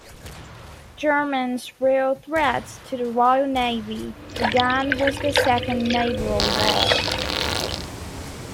Germany's real threat to the Royal Navy began with the Second Naval Law.